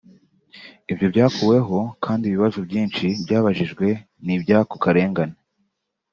Ibyo byakuweho kandi ibibazo byinshi byabajijwe ni iby’ako karengane